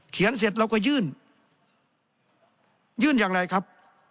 เสร็จเราก็ยื่นยื่นอย่างไรครับ